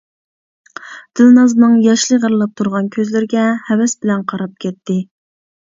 دىلنازنىڭ ياش لىغىرلاپ تۇرغان كۆزلىرىگە ھەۋەس بىلەن قاراپ كەتتى.